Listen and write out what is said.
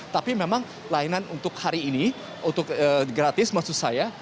tapi memang layanan untuk hari ini untuk gratis maksud saya